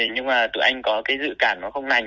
nhưng mà tụi anh có cái dự cản nó không lành